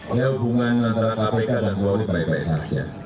ada hubungan antara kpk dan pauli pai pai saksa